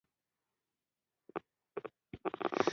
یو شاګرد غوښتل چې ځان په پیریانو ونیسي